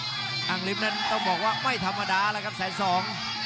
กลางริมต้องบอกว่าไม่ธรรมดานะครับแสนสอง